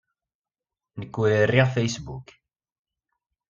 Nekk ur riɣ Facebook.